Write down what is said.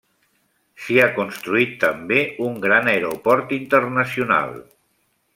S'hi ha construït també un gran aeroport internacional.